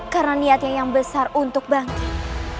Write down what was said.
karena niatnya yang besar untuk bangkit